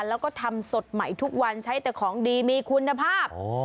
แล้วก็ทำสดใหม่ทุกวันใช้แต่ของดีมีคุณภาพ